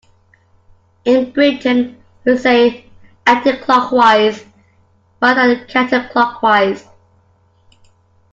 In Britain we say Anti-clockwise rather than Counterclockwise